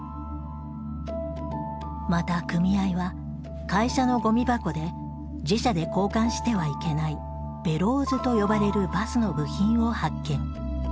また組合は会社のゴミ箱で自社で交換してはいけないベローズと呼ばれるバスの部品を発見。